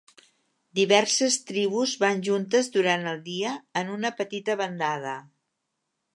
Diverses tribus van juntes durant el dia en una petita bandada.